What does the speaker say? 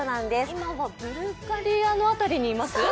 今はブルガリアの辺りにいます？